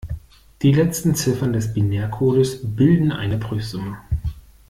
Die letzten Ziffern des Binärcodes bilden eine Prüfsumme.